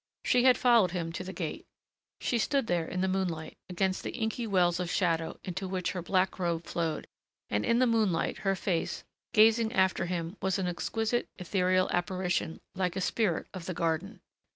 She had followed him to the gate; she stood there, in the moonlight, against the inky wells of shadow into which her black robe flowed, and in the moonlight her face, gazing after him, was an exquisite, ethereal apparition, like a spirit of the garden.